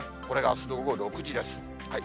これがあすの午後６時です。